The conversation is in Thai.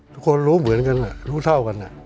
ทุกคนรู้เหมือนกันรู้เท่ากัน